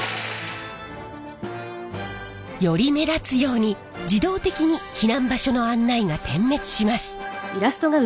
より目立つように自動的に避難場所の案内が点滅します。